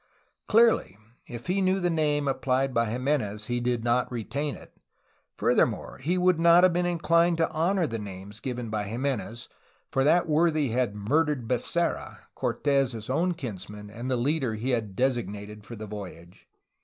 '' Clearly, if he knew the name applied by Jimenez he did not retain it. Furthermore, he would not have been inclined to honor the names given by Jimenez, for that worthy had murdered Becerra, Cortes' own kinsman and the leader he had desig nated for the voyage.